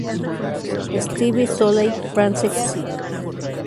Esteve Soley, Francesc.